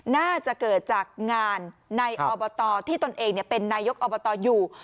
น่าจะเกิดจากงานในอบตที่ตนเองเป็นนายกอบตอยู่